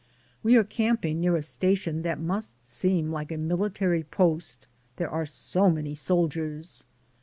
We are camping near a station that must seem like a military post, there are so many soldiers.